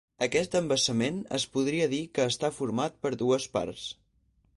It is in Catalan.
Aquest embassament es podria dir que està format per dues parts.